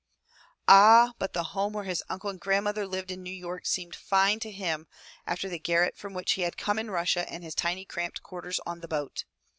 '* Ah! but the home where his uncle and grandmother lived in New York seemed fine to him after the garret from which he had come in Russia and his tiny cramped quarters on the boat.